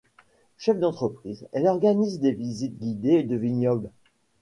Chef d’entreprise, elle organise des visites guidées de vignobles.